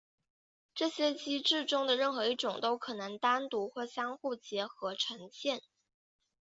这些机制中的任何一种都可能单独或相互结合呈现。